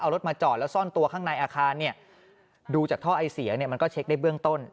รถมาจอดแล้วซ่อนตัวข้างในอาคารดูจากท่อไอเสียมันก็เช็คได้เบื้องต้น